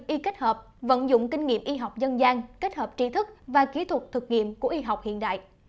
y kết hợp vận dụng kinh nghiệm y học dân gian kết hợp trí thức và kỹ thuật thực nghiệm của y học hiện đại